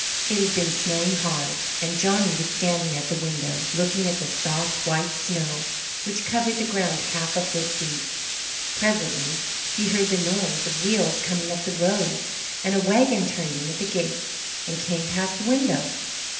It had been snowing hard, and Johnny was standing at the window, looking at the soft, white snow which covered the ground half a foot deep. Presently he heard the noise of wheels coming up the road, and a wagon turned in at the gate and came past the window.